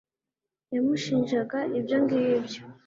yamushinjaga ibyo ngibyo